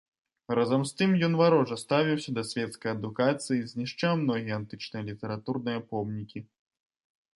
Разам з тым ён варожа ставіўся да свецкай адукацыі, знішчаў многія антычныя літаратурныя помнікі.